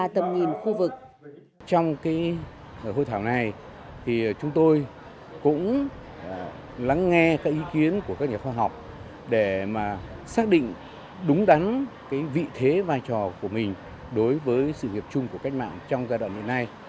trong hội thảo này chúng tôi cũng lắng nghe các ý kiến của các nhà khoa học để mà xác định đúng đắn vị thế vai trò của mình đối với sự nghiệp chung của cách mạng trong giai đoạn hiện nay